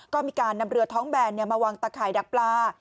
ก็มีการนำเรือท้องแบนมาวางตะข่ายดักปลา